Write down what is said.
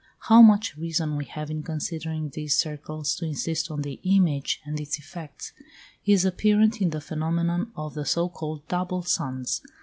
How much reason we have in considering these circles to insist on the image and its effects, is apparent in the phenomenon of the so called double suns.